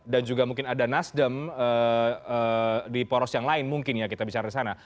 dan juga mungkin ada nasdem di poros yang lain mungkin ya kita bicara di sana